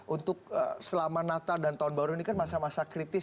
untuk selama natal dan tahun baru ini kan masa masa kritis